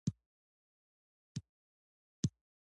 ایا ستاسو هوا به تازه وي؟